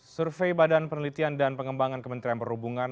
survei badan penelitian dan pengembangan kementerian perhubungan